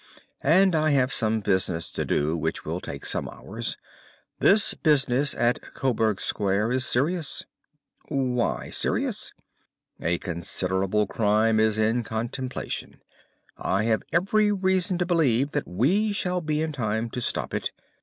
"And I have some business to do which will take some hours. This business at Coburg Square is serious." "Why serious?" "A considerable crime is in contemplation. I have every reason to believe that we shall be in time to stop it.